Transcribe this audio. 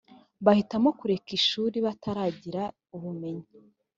bahitamo kureka ishuri bataragira ubumenyi.